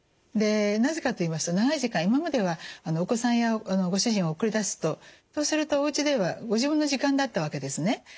でなぜかといいますと長い時間今まではお子さんやご主人を送り出すとそうするとおうちではご自分の時間だったわけですね。